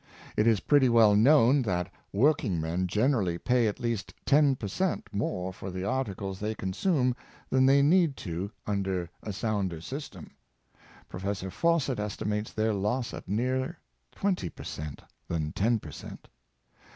It is pretty well known that working men generally pay at least ten per cent, more for the articles they consume than they need to do un der a sounder system. Professor Fawcett estimates their loss at nearer twenty per cent, than ten per cent.